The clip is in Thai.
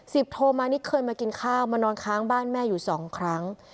โทมานิดเคยมากินข้าวมานอนค้างบ้านแม่อยู่สองครั้ง